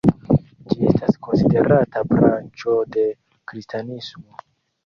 Ĝi estas konsiderata branĉo de kristanismo.